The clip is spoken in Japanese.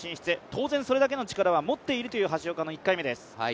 当然、それだけの力を持っているという橋岡の１回目です。